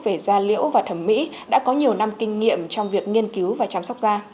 về da liễu và thẩm mỹ đã có nhiều năm kinh nghiệm trong việc nghiên cứu và chăm sóc da